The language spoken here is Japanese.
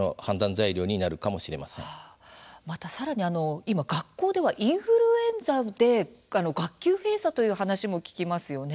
材料にまたさらに今、学校ではインフルエンザで学級閉鎖という話も聞きますよね。